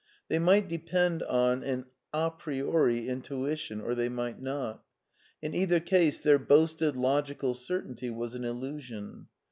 They might depend on an a priori intuition, or they might not ; in either case their boasted logical certainty was an illusion.